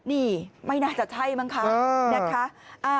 นี่ไม่น่าจะใช่มั้งคะนะคะ